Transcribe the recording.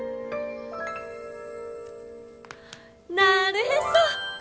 なるへそ！